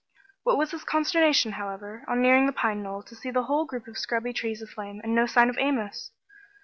What was his consternation, however, on nearing the pine knoll, to see the whole group of scrubby trees aflame, and no sign of Amos!